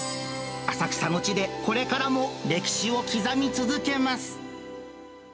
浅草の地で、これからも歴史を刻み続けます。